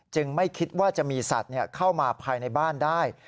ไม่คิดว่าจะมีสัตว์เข้ามาภายในบ้านได้